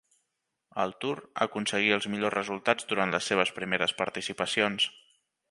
Al Tour aconseguí els millors resultats durant les seves primeres participacions.